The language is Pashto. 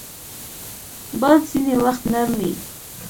باد ځینې وخت نرم وي